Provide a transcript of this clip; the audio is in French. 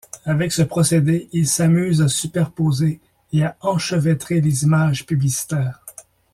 Avec ce procédé, il s'amuse à superposer et à enchevêtrer les images publicitaires.